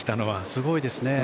すごいですね。